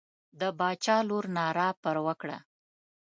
د باچا لور ناره پر وکړه.